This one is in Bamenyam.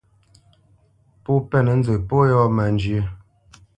Pó mpénə̄ nzə pó yɔ̂ má njyə́.